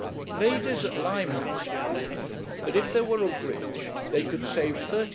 Ladies at Limehouse proved that if there were a bridge they could save 30s.